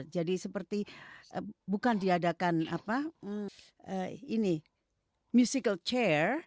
jadi seperti bukan diadakan apa ini musical chair